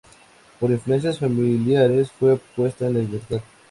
Por influencias familiares fue puesta en libertad.